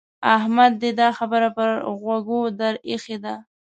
احمد دې دا خبره پر غوږو در اېښې ده.